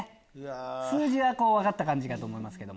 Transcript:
数字は分かったかと思いますけど。